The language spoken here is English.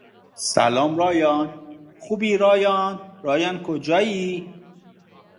Dartmouth tied for third in the Ivy League.